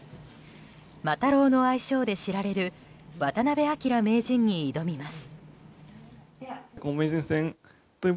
魔太郎の愛称で知られる渡辺明名人に挑みます。